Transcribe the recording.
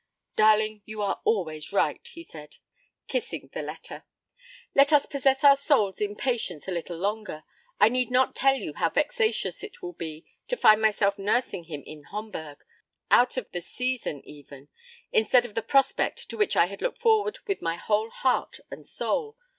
('Darling, you are always right,' he said, kissing the letter.) 'Let us possess our souls in patience a little longer. I need not tell you how vexatious it will be to find myself nursing him in Homburg out of the season even instead of the prospect to which I had looked forward with my whole heart and soul.